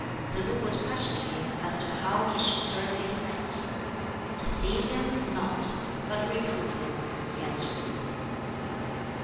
Tsz lu was questioning him as to how he should serve his prince. "Deceive him not, but reprove him," he answered.